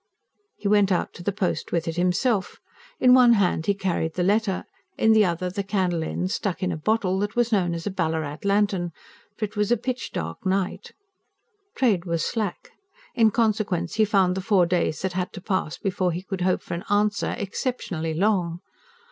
He went out to the post with it himself. In one hand he carried the letter, in the other the candle end stuck in a bottle that was known as a "Ballarat lantern" for it was a pitchdark night. Trade was slack; in consequence he found the four days that had to pass before he could hope for an answer exceptionally long.